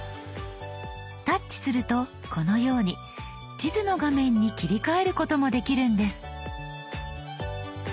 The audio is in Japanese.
タッチするとこのように地図の画面に切り替えることもできるんです。